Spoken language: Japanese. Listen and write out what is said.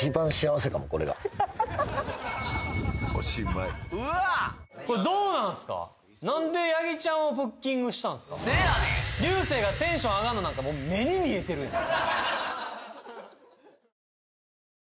せやで流星がテンション上がんのなんかもう目に見えてるやん